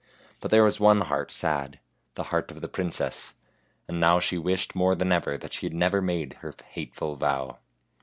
But there was one heart sad, the heart of the princess; and now she wished more than ever that she had never made her hateful vow.